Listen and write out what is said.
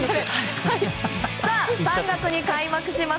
３月に開幕します